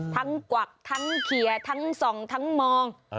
ทั้งกวักทั้งเขียกทั้งส่องทั้งมอง